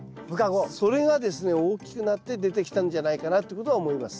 それがですね大きくなって出てきたんじゃないかなってことは思います。